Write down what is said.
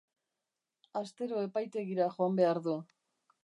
Astero epaitegira joan behar du.